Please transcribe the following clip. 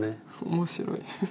面白い。